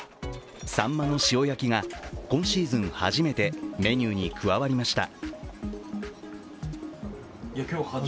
さんまの塩焼きが、今シーズン初めてメニューに加わりました。